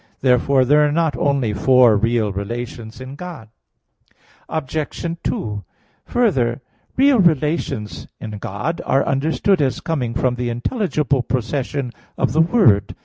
Therefore there are not only four real relations in God. Obj. 2: Further, real relations in God are understood as coming from the intelligible procession of the Word.